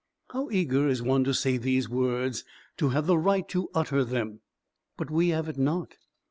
How eager is one to say these words, to have the right to utter them! But we have it not.